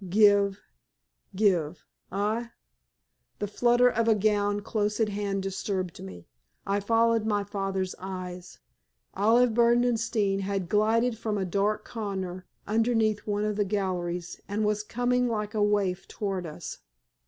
Give give ah!" The flutter of a gown close at hand disturbed me. I followed my father's eyes. Olive Berdenstein had glided from a dark corner underneath one of the galleries, and was coming like a wraith towards us.